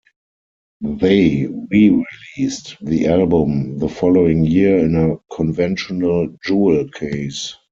They re-released the album the following year in a conventional jewel case.